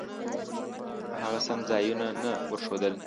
خو هغه سم ځایونه نه ورښودل.